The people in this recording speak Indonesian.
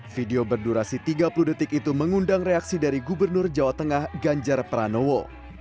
video berdurasi tiga puluh detik itu mengundang reaksi dari gubernur jawa tengah ganjar pranowo